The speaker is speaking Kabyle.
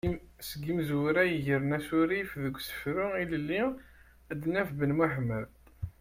Seg yimezwura i yegren asurif deg usefru ilelli ad naf Ben Muḥemmed.